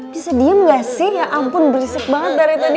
bisa diem gak sih ya ampun berisik banget dari tadi